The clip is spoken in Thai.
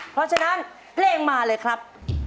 เพราะฉะนั้นเพลงมาเลยครับ